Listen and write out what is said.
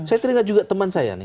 saya teringat juga teman saya nih